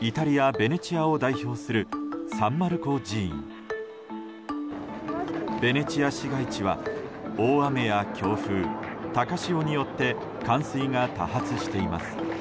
ベネチア市街地は大雨や強風、高潮によって冠水が多発しています。